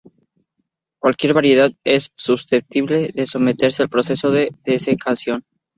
Cualquier variedad es susceptible de someterse al proceso de desecación.